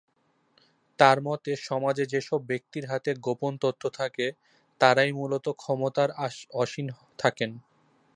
তার মতে, সমাজে যেসব ব্যক্তির হাতে গোপন তথ্য থাকে, তারাই মূলত ক্ষমতায় আসীন থাকেন।